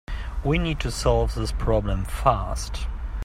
We need to solve this problem fast.